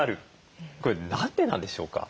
これ何でなんでしょうか？